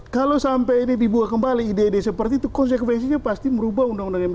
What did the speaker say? kalau sampai ini dibuka kembali ide ide seperti itu konsekuensinya pasti merubah undang undang md tiga